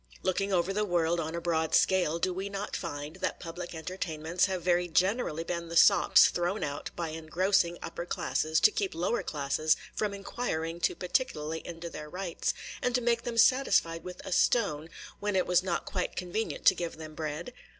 Looking over the world on a broad scale, do we not find that public entertainments have very generally been the sops thrown out by engrossing upper classes to keep lower classes from inquiring too particularly into their rights, and to make them satisfied with a stone, when it was not quite convenient to give them bread?